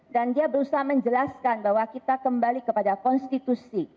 dan dia berusaha menjelaskan bahwa kita kembali kepada konstitusi